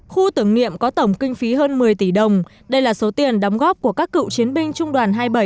khu tưởng niệm có tổng kinh phí hơn một mươi tỷ đồng đây là số tiền đóng góp của các cựu chiến binh trung đoàn hai mươi bảy